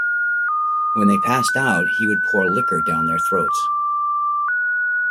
When they passed out, he would pour liquor down their throats.